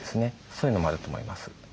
そういうのもあると思います。